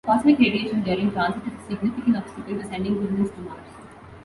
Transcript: Cosmic radiation during transit is a significant obstacle to sending humans to Mars.